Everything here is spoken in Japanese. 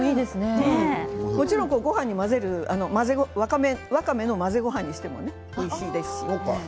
もちろん、ごはんに混ぜるわかめの混ぜごはんにしてもいいし、おいしいですし。